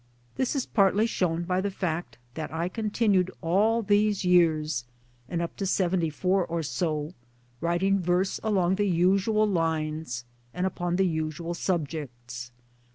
This is partly shown by the fact that I continued all these years, and up to '74 or so, writing verse along the usual lines and upon the usual subjects.